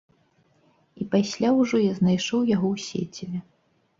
І пасля ўжо я знайшоў яго ў сеціве.